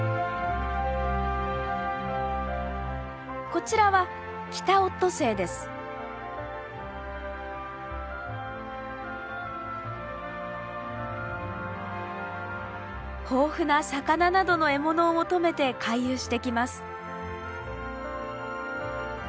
こちらは豊富な魚などの獲物を求めて回遊してきます。